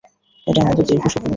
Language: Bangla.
এটা আমাদের দীর্ঘ স্বপ্ন।